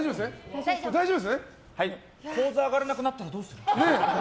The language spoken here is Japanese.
高座に上がれなくなったらどうするの。